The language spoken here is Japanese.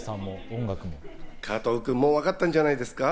加藤君、もう分かったんじゃないですか？